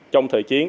trong thời chiến